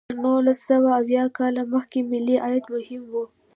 تر نولس سوه اویا کال مخکې ملي عاید مهم و.